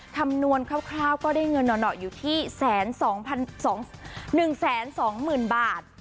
คำนวณคร่าวก็ได้เงินหน่ออยู่ที่๑๒๐๐บาท